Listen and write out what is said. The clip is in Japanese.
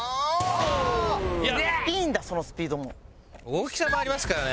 大きさもありますからね。